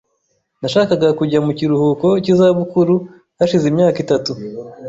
Nashakaga kujya mu kiruhuko cy'izabukuru hashize imyaka itatu .